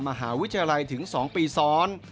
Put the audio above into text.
มหาวิทยาลัยถึง๒ปีซ้อน